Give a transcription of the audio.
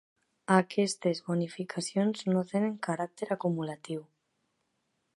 Aquestes bonificacions no tenen caràcter acumulatiu.